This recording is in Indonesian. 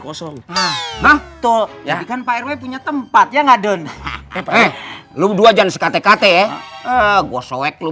kosong nah tol ya kan pak rw punya tempat ya nggak don lu dua jan sekatekate ya gue soek lu